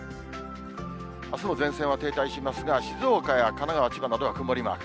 あすも前線は停滞しますが、静岡や神奈川、千葉などは曇りマーク。